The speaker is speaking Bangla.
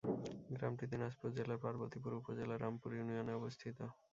গ্রামটি দিনাজপুর জেলার পার্বতীপুর উপজেলার রামপুর ইউনিয়নে অবস্থিত।